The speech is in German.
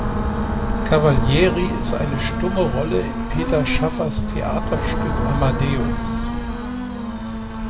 Cavalieri ist eine stumme Rolle in Peter Shaffers Theaterstück "Amadeus".